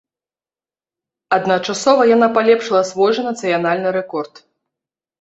Адначасова яна палепшыла свой жа нацыянальны рэкорд.